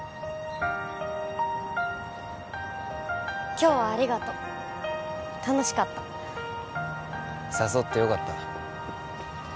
今日はありがとう楽しかった誘ってよかった